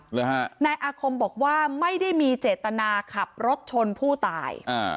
หรือฮะนายอาคมบอกว่าไม่ได้มีเจตนาขับรถชนผู้ตายอ่า